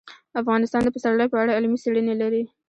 افغانستان د پسرلی په اړه علمي څېړنې لري.